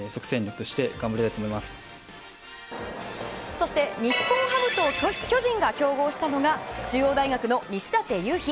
そして日本ハムと巨人が競合したのが中央大学の西舘勇陽。